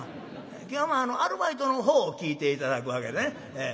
今日はアルバイトの方を聴いて頂くわけでね。